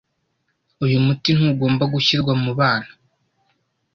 Uyu muti ntugomba gushyirwa mubana.